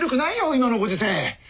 今のご時世。